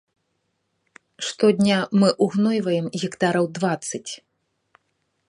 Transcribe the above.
Штодня мы ўгнойваем гектараў дваццаць.